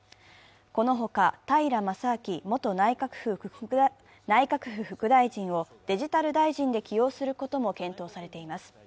この他、平将明元内閣府副大臣をデジタル大臣で起用することも検討されています。